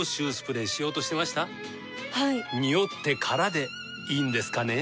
ニオってからでいいんですかね？